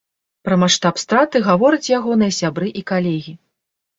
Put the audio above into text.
Пра маштаб страты гавораць ягоныя сябры і калегі.